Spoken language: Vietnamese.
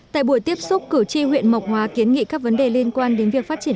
tại buổi tiếp xúc cử tri huyện mộc hóa kiến nghị các vấn đề liên quan đến việc phát triển